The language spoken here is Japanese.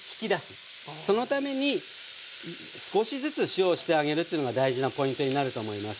そのために少しずつ塩をしてあげるっていうのが大事なポイントになると思います。